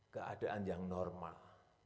keadaan yang normal